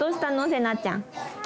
せなちゃん。